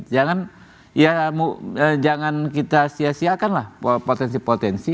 jangan ya jangan kita sia siakanlah potensi potensi